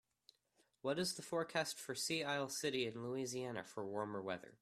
what is the forecast for Sea Isle City in Louisiana for warmer weather